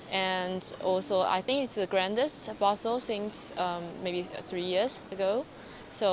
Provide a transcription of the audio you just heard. dan juga saya pikir ini adalah art basel yang paling besar sejak tiga tahun lalu